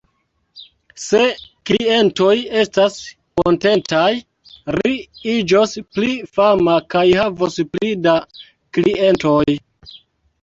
Se klientoj estas kontentaj, ri iĝos pli fama kaj havos pli da klientoj.